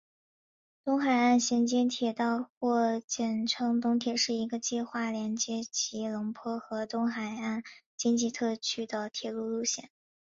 东海岸衔接铁道或简称东铁是一个计划连接吉隆坡和东海岸经济特区的铁路路线。